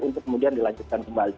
untuk kemudian dilanjutkan kembali